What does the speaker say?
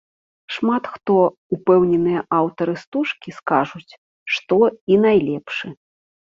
Шмат хто, упэўненыя аўтары стужкі, скажуць, што і найлепшы.